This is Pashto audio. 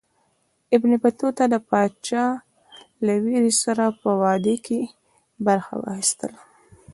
ابن بطوطه د پاچا له ورېرې سره په واده کې برخه واخیستله.